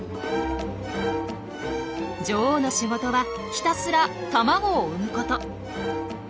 女王の仕事はひたすら卵を産むこと。